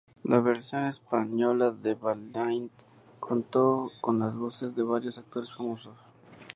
La versión española de Valiant contó con las voces de varios actores famosos.